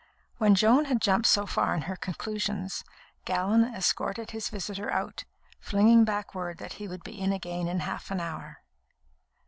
When Joan had jumped so far in her conclusions, Gallon escorted his visitor out, flinging back word that he would be in again in half an hour.